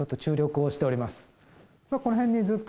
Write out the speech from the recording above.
この辺にずっと。